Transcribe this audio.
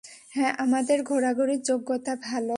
হ্যাঁ, আমাদের ঘোরাঘুরির যোগ্যতা ভালো।